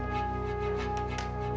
aku harus melayanginya dengan baik